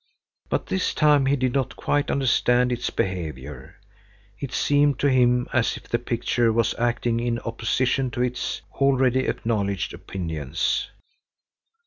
But this time he did not quite understand its behavior. It seemed to him as if the picture was acting in opposition to its already acknowledged opinions.